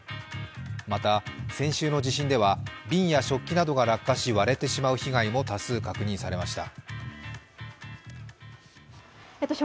また、先週の地震では瓶や食器などが落下し割れてしまう被害も多数確認されました。